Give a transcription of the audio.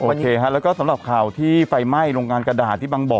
โอเคฮะแล้วก็สำหรับข่าวที่ไฟไหม้โรงงานกระดาษที่บางบ่อ